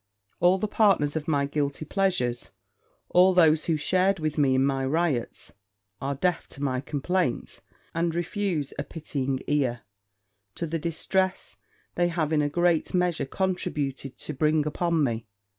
All the partners of my guilty pleasures all those who shared with me in my riots, are deaf to my complaints, and refuse a pitying ear to the distress they have in a great measure contributed to bring upon me.